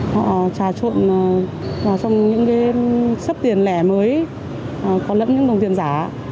họ trà trộn vào trong những cái sấp tiền lẻ mới có lẫn những đồng tiền giả